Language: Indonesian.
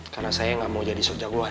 karena saya nggak mau jadi sok jagoan